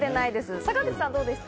坂口さん、どうですか？